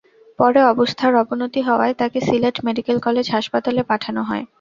পরে অবস্থার অবনতি হওয়ায় তাঁকে সিলেট মেডিকেল কলেজ হাসপাতালে পাঠানো হয়।